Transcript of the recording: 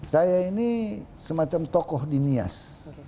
saya ini semacam tokoh di nias